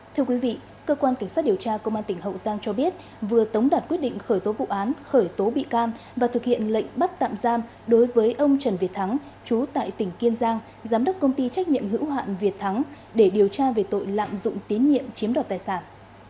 thưa quý vị cơ quan cảnh sát điều tra công an tỉnh hậu giang cho biết vừa tống đạt quyết định khởi tố vụ án khởi tố bị can và thực hiện lệnh bắt tạm giam đối với ông trần việt thắng chú tại tỉnh kiên giang giám đốc công ty trách nhiệm hữu hạn việt thắng để điều tra về tội lạm dụng tín nhiệm chiếm đoạt tài sản